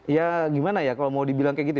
ya gimana ya kalau mau dibilang kayak gitu